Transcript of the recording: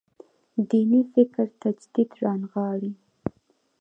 دیني فکر تجدید رانغاړي.